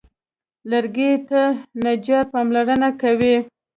لرګي ته نجار پاملرنه کوي.